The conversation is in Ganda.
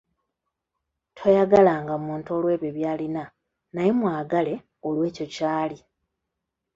Toyagalanga muntu olw’ebyo by’alina naye mwagale olw'ekyo ky’ali.